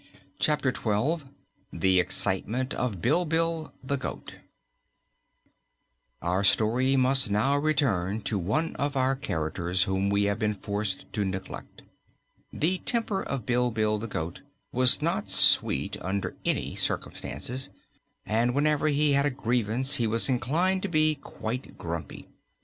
Chapter Twelve The Excitement of Bilbil the Goat Our story must now return to one of our characters whom we have been forced to neglect. The temper of Bilbil the goat was not sweet under any circumstances, and whenever he had a grievance he was inclined to be quite grumpy.